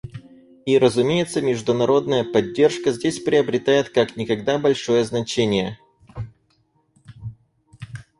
И, разумеется, международная поддержка здесь приобретает как никогда большое значение.